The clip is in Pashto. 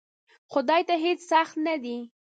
خدای ته هیڅ سخت نه دی!